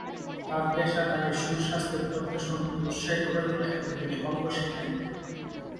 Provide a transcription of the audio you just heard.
তাঁর পেশা তাকে সুর-শাস্ত্রের তত্ত্ব সম্পর্কে উৎসাহিত করে তোলে এবং তিনি অঙ্ক শেখেন।